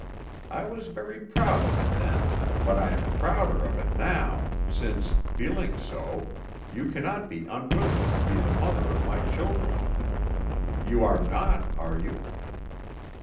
I was very proud of it then, but I am prouder of it now, since, feeling so, you cannot be unwilling to be the mother of my children. You are not, are you?"